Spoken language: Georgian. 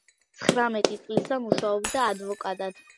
ცხრამეტი წლისა მუშაობდა ადვოკატად.